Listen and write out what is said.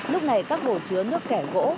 lúc này các bổ chứa nước kẻ gỗ